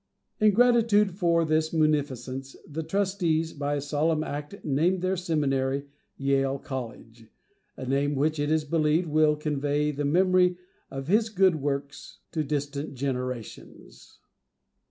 In gratitude for this munificence, the Trustees, by a solemn act, named their seminary Yale College; a name which, it is believed, will convey the memory of his good works to distant generations."